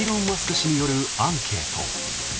氏によるアンケート。